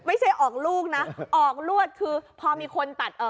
ไม่ใช่ออกลูกนะออกลวดคือพอมีคนตัดเอ่อ